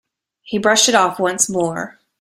He brushed it off once more.